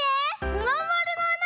まんまるのあなだ！